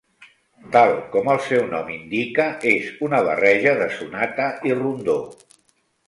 Tal com el seu nom indica, és una barreja de sonata i rondó.